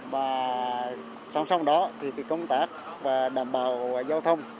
và song song đó thì công tác và đảm bảo giao thông